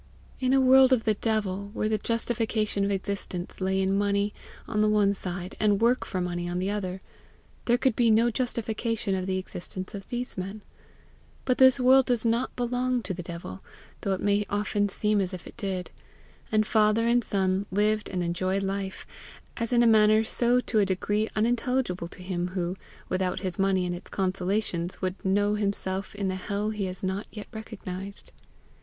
In a world of the devil, where the justification of existence lay in money on the one side, and work for money on the other, there could be no justification of the existence of these men; but this world does not belong to the devil, though it may often seem as if it did, and father and son lived and enjoyed life, as in a manner so to a decree unintelligible to him who, without his money and its consolations, would know himself in the hell he has not yet recognized.